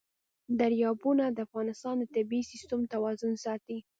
دریابونه د افغانستان د طبعي سیسټم توازن ساتي.